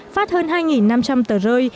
phát hơn hai năm trăm linh tờ rơi